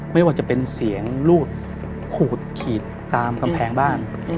ไม่ว่าจะเป็นเสียงรูดขูดขีดตามกำแพงบ้าน